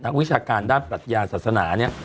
วิชาการด้านปรัชญาศาสนาเนี่ย